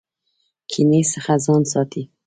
کینې څخه ځان ساتئ